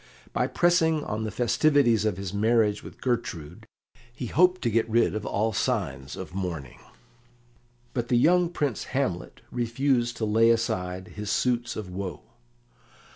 By pressing on the festivities of his marriage with Gertrude, he hoped to get rid of all signs of mourning. But the young Prince Hamlet refused to lay aside his suits of woe.